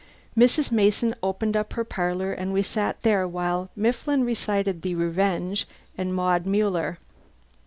Mrs. Mason opened up her parlour and we sat there while Mifflin recited "The Revenge" and "Maud Muller."